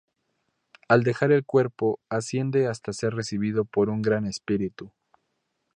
Al dejar el cuerpo, asciende hasta ser recibido por un gran espíritu.